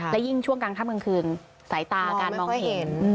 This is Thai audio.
และยิ่งช่วงกลางค่ำกลางคืนสายตาการมองเห็น